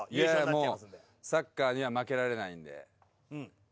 サッカーには負けられないんで。